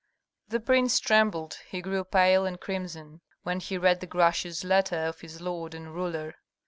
The prince trembled, he grew pale and crimson, when he read the gracious letter of his lord and ruler.